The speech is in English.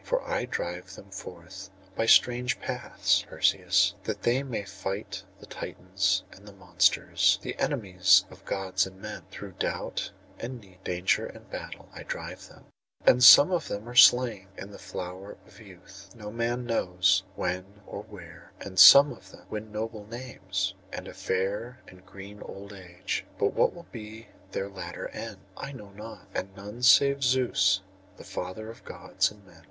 For I drive them forth by strange paths, Perseus, that they may fight the Titans and the monsters, the enemies of Gods and men. Through doubt and need, danger and battle, I drive them; and some of them are slain in the flower of youth, no man knows when or where; and some of them win noble names, and a fair and green old age; but what will be their latter end I know not, and none, save Zeus, the father of Gods and men.